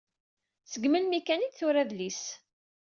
Seg melmi kan ay d-tura adlis.